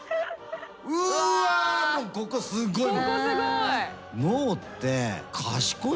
うわここすごい！